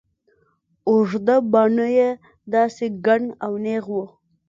اوږده باڼه يې داسې گڼ او نېغ وو.